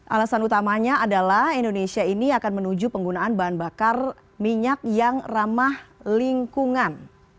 alasan utamanya adalah indonesia ini akan menuju penggunaan bahan bakar minyak yang ramah lingkungan